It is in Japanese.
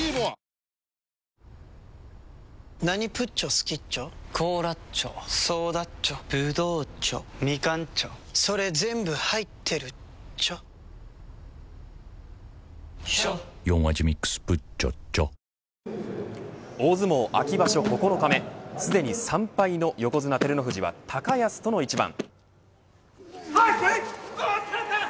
さらにその直後には大相撲秋場所９日目すでに３敗の横綱、照ノ富士は高安との一番。